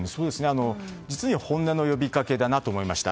実に本音の呼びかけだなと思いました。